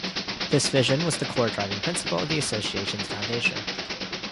This vision was the core driving principle of the Association's foundation.